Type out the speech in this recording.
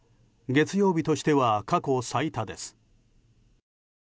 月曜日としては過去最多です。